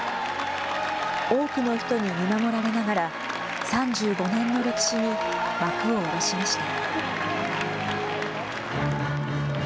多くの人に見守られながら、３５年の歴史に幕を下ろしました。